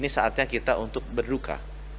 makanya kita untuk berduka